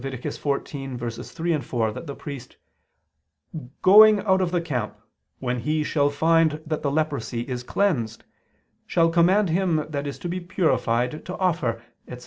14:3, 4) that the priest, "going out of the camp, when he shall find that the leprosy is cleansed, shall command him that is to be purified to offer," etc.